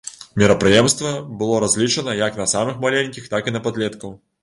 Мерапрыемства было разлічана як на самых маленькіх, так і на падлеткаў.